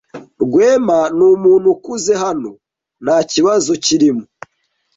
Rwema numuntu ukuze hano, ntakibazo kirimo.